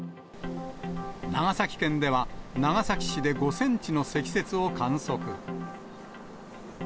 長崎県では長崎市で５センチの積雪を観測。